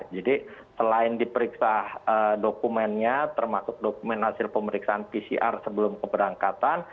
jadi selain diperiksa dokumennya termasuk dokumen hasil pemeriksaan pcr sebelum keberangkatan